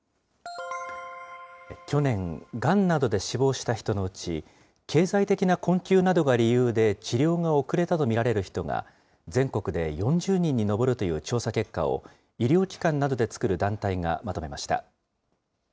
去年、がんなどで死亡した人のうち、経済的な困窮などが理由で治療が遅れたと見られる人が、全国で４０人に上るという調査結果を、医療機関などで作る団体がまとめました。